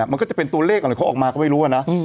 มันก็จะเป็นตัวเลขอะไรเขาออกมาก็ไม่รู้นะ